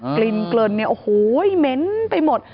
กลิ่นเกลินเนี่ยโอ้โหเหม็นไปหมด